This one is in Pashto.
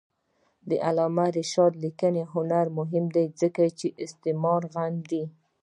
د علامه رشاد لیکنی هنر مهم دی ځکه چې استعمار غندي.